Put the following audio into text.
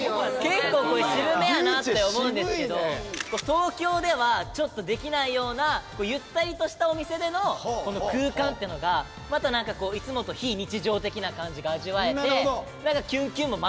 結構これ渋めやなって思うんですけど東京ではちょっとできないようなゆったりとしたお店での空間っていうのがまたなんかいつもと非日常的な感じが味わえて。